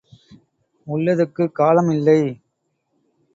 உள்ளதுக்குக் காலம் இல்லை.